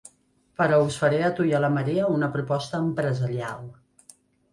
Però us faré a tu i a la Maria una proposta empresarial.